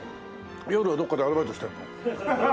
夜はどっかでアルバイトしてるの？